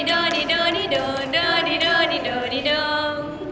โดดีโดงโดดีโดง